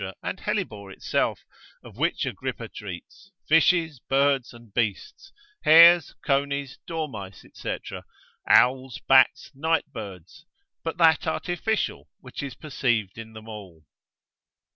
and hellebore itself, of which Agrippa treats, fishes, birds, and beasts, hares, conies, dormice, &c., owls, bats, nightbirds, but that artificial, which is perceived in them all.